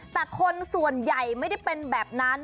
แต่คนส่วนใหญ่ไม่ได้เป็นแบบนั้น